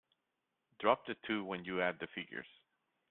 Drop the two when you add the figures.